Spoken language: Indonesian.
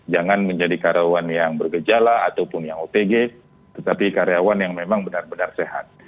jangan menjadi karyawan yang bergejala ataupun yang otg tetapi karyawan yang memang benar benar sehat